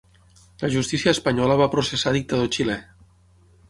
La Justícia Espanyola va processar dictador xilè.